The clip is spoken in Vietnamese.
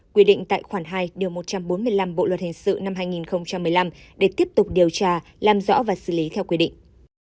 quy định tại khoản hai điều một trăm bốn mươi năm bộ luật hình sự năm hai nghìn một mươi năm để tiếp tục điều tra làm rõ và xử lý theo quy định